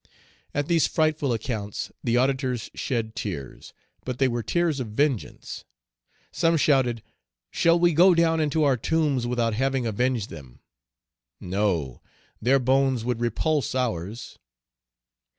At these frightful accounts, the auditors shed tears, but they were tears of vengeance. Some shouted, "Shall we go down into our tombs without having avenged them? No! their bones would repulse ours."